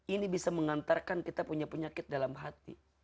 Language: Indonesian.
ini bisa mengantarkan kita punya penyakit dalam hati